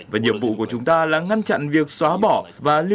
và nhiệm vụ của chúng ta là ngăn chặn việc xóa bỏ và lưu giữ tài liệu